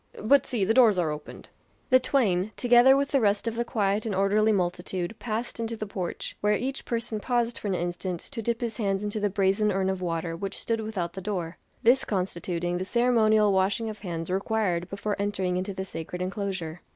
But see, the doors are opened." The twain, together with the rest of the quiet and orderly multitude, passed into the porch, where each person paused for an instant to dip his hands into the brazen urn of water which stood without the door; this constituting the ceremonial washing of hands required before entering into the sacred enclosure.